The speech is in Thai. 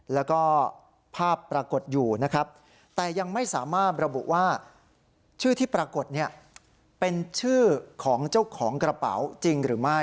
แล้วก็ภาพปรากฏอยู่นะครับแต่ยังไม่สามารถระบุว่าชื่อที่ปรากฏเนี่ยเป็นชื่อของเจ้าของกระเป๋าจริงหรือไม่